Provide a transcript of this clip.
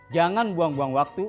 jangan buang buang waktu